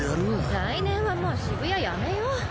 来年はもう渋谷やめよ。